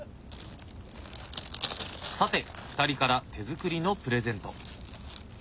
さて２人から手作りのプレゼント。